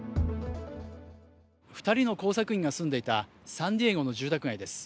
２人の工作員が住んでいたサンディエゴの住宅街です。